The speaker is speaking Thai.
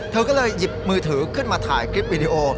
เธอก็เลยหยิบมือถือขึ้นมาถ่ายคลิปวิดีโอ